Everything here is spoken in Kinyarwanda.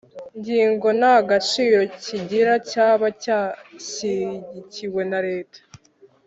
ngingo nta gaciro kigira cyaba cyashyigikiwe na leta